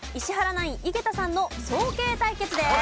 ナイン井桁さんの早慶対決です。